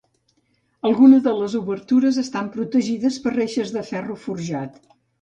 Algunes de les obertures estan protegides per reixes de ferro forjat.